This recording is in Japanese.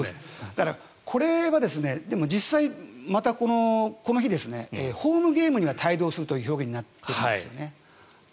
だから、これがでも実際、この日ホームゲームには帯同するという表現になっているんです。